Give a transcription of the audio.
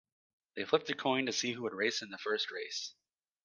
They flipped a coin to see who would race in the first race.